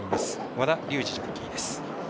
和田竜二ジョッキーです。